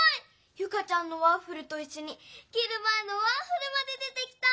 ユカちゃんのワッフルといっしょにきるまえのワッフルまで出てきた！